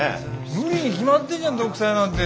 無理に決まってんじゃん独裁なんて。